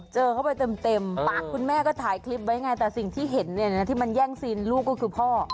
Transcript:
เจอเข้าไปเต็มปากคุณแม่ก็ถ่ายคลิปไว้ไงแต่สิ่งที่เห็นเนี่ยนะที่มันแย่งซีนลูกก็คือพ่อ